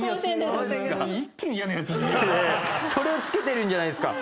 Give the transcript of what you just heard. それをつけてるんじゃないっすか。